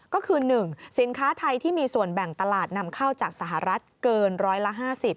ก็คือ๑สินค้าไทยที่มีส่วนแบ่งตลาดนำเข้าจากสหรัฐเกินร้อยละ๕๐